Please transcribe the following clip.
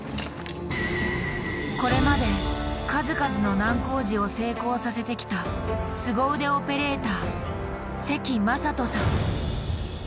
これまで数々の難工事を成功させてきた凄腕オペレーター関正人さん。